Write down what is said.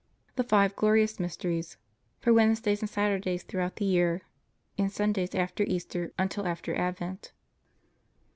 THE FIVE GLORIOUS MYSTERIES (For Wednesdays and Saturdays throughout the year, and Sundays after Easter until after Advent.)